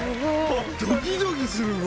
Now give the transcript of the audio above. ドキドキするこれ。